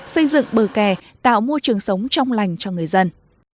xây dựng bờ kè tạo môi trường sống trong lành cho người dân